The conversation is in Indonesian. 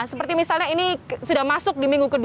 seperti misalnya ini sudah masuk di minggu ke dua